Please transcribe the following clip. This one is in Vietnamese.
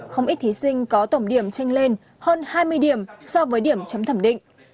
không ít thí sinh có tổng điểm tranh lên hơn hai mươi điểm so với điểm chấm thẩm định